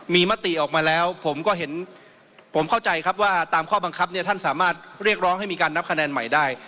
มีมติออกมาแล้วผมก็เห็นผมเข้าใจครับว่าตามข้อบังคับเนี่ยท่านสามารถเรียกร้องให้มีการนับคะแนนใหม่ได้